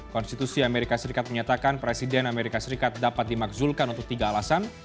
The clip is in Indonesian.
konstitusi amerika serikat menyatakan presiden amerika serikat dapat dimakzulkan untuk tiga alasan